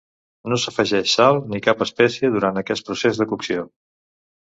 No s'afegeix sal ni cap espècie durant aquest procés de cocció.